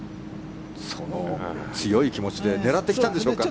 強い気持ちで狙ってきたんでしょうか。